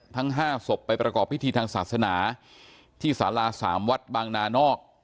ทั้ง๕ศพไปประกอบพิธีทางศาสนาที่สารา๓วัดบางนานอก